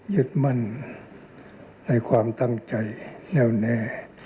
ยึดมั่นในความตั้งใจแนวแน่